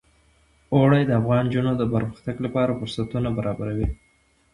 اوړي د افغان نجونو د پرمختګ لپاره فرصتونه برابروي.